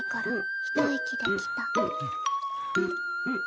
うん。